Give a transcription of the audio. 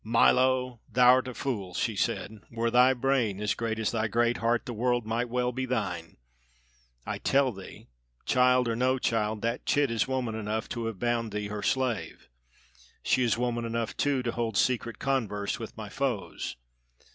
"Milo, thou'rt a fool!" she said. "Were thy brain as great as thy great heart the world might well be thine. I tell thee, child or no child, that chit is woman enough to have bound thee her slave. She is woman enough, too, to hold secret converse with my foes.